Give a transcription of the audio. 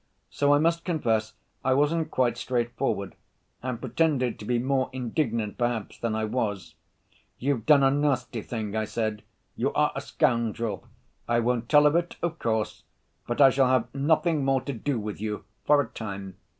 So I must confess I wasn't quite straightforward, and pretended to be more indignant perhaps than I was. 'You've done a nasty thing,' I said, 'you are a scoundrel. I won't tell of it, of course, but I shall have nothing more to do with you for a time.